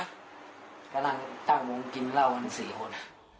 กำลังตั้งวงกินร่าวนสี่คน